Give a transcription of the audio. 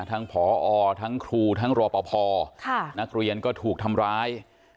ผอทั้งครูทั้งรอปภนักเรียนก็ถูกทำร้าย